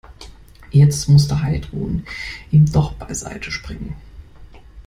Jetzt musste Heidrun ihm doch beiseite springen.